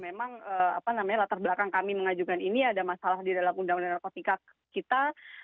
memang apa namanya latar belakang kami mengajukan ini ada masalah di dalam undang undang narkotika kita